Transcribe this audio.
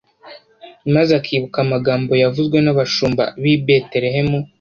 maze akibuka amagambo yavuzwe n'abashumba b'i Beterehemu